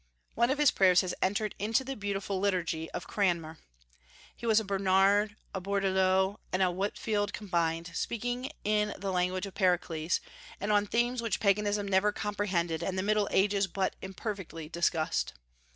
One of his prayers has entered into the beautiful liturgy of Cranmer. He was a Bernard, a Bourdaloue, and a Whitefield combined, speaking in the language of Pericles, and on themes which Paganism never comprehended and the Middle Ages but imperfectly discussed.